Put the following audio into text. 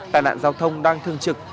tài nạn giao thông đang thương trực